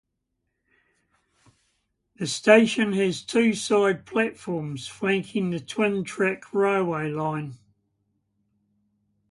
The station has two side platforms, flanking the twin-track railway line.